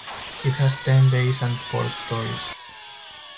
It has ten bays and four storeys.